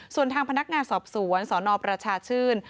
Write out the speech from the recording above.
ส่วนทางพนักงานสอบสวนสนประชาชื่น